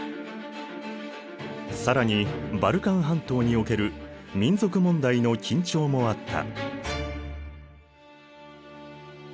更にバルカン半島における民族問題の緊張もあった。